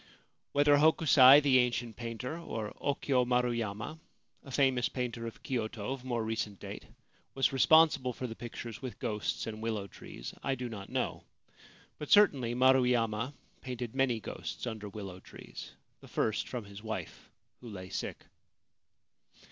Whether Hokusai, the ancient painter, or Okyo Maru yama, a famous painter of Kyoto of more recent date, was responsible for the pictures with ghosts and willow trees, I do not know ; but certainly Maruyama painted many ghosts under willow trees — the first from his wife, who lay sick.